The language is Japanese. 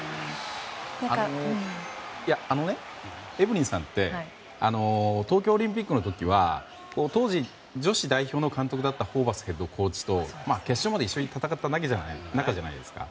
エブリンさんって東京オリンピックの時は当時、女子代表の監督だったホーバスヘッドコーチと決勝まで一緒に戦った仲じゃないですか。